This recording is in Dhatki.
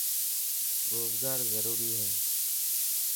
روزگار ضروري هي.